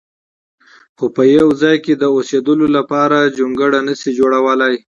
خو په یو ځای د اوسېدلو لپاره جونګړه نه شي جوړولی.